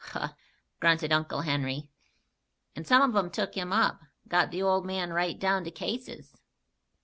"Huh!" grunted Uncle Henry. "And some of 'em took him up, got the old man right down to cases."